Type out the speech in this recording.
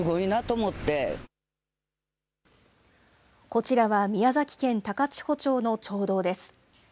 こちらは宮崎県高千穂町の町道です。